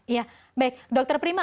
ya baik dr prima